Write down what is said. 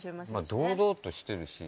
堂々としてるし。